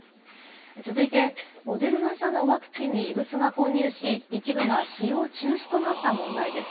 続いて、モデルナ社のワクチンに異物が混入し、一部が使用中止となった問題です。